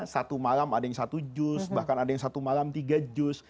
satu malam ada yang satu jus bahkan ada yang satu malam tiga juz